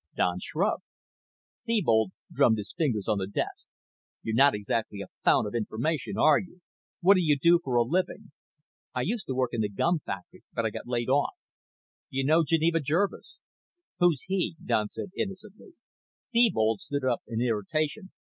Don shrugged. Thebold drummed his fingers on the desk. "You're not exactly a fount of information, are you? What do you do for a living?" "I used to work in the gum factory but I got laid off." "Do you know Geneva Jervis?" "Who's he?" Don said innocently. Thebold stood up in irritation.